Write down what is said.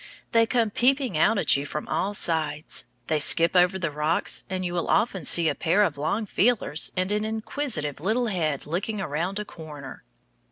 They come peeping out at you from all sides. They skip over the rocks, and you will often see a pair of long feelers and an inquisitive little head looking around a corner.